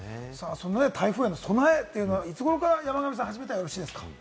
台風への備えというのはいつ頃から山神さん、始めたらよろしいですか？